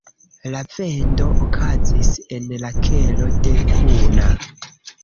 La vendo okazis en la kelo de Kuna.